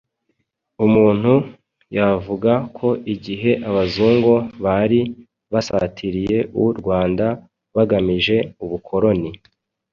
Umuntu yavuga ko igihe Abazungu bari basatiriye u Rwanda bagamije ubukoloni